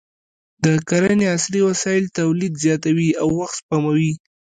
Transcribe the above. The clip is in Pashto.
د کرنې عصري وسایل تولید زیاتوي او وخت سپموي.